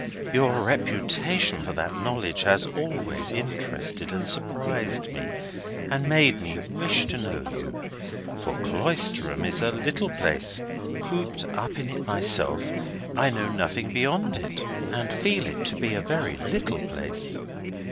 "Your reputation for that knowledge has always interested and surprised me, and made me wish to know you. For Cloisterham is a little place. Cooped up in it myself, I know nothing beyond it, and feel it to be a very little place."